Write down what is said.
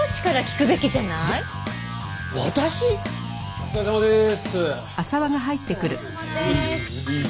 お疲れさまです。